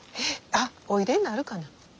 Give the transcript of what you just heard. あっおいでになるかな？